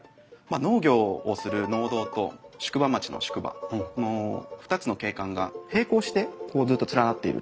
農業をする農道と宿場町の宿場の２つの景観が平行してずっと連なっている地域。